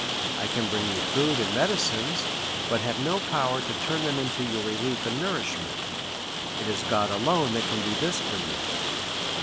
I can bring you food and medicines, but have no power to turn them into your relief and nourishment; it is God alone that can do this for you.